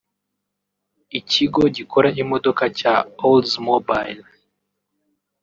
Ikigo gikora imodoka cya Oldsmobile